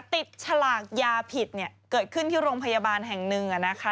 ฉลากยาผิดเกิดขึ้นที่โรงพยาบาลแห่งหนึ่ง